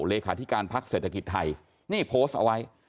เลขาธิการพักเศรษฐกิจไทยนี่โพสต์เอาไว้